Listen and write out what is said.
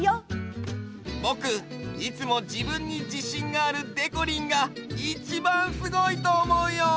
ぼくいつもじぶんにじしんがあるでこりんがいちばんすごいとおもうよ！